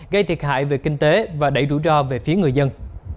gây thiệt hại về kinh tế và đẩy rủi ro về phía người dân